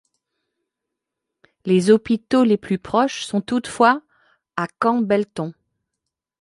Les hôpitaux les plus proches sont toutefois à Campbellton.